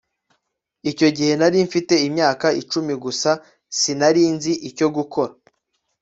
icyo gihe nari mfite imyaka icumi gusa sinari nzi icyo gukora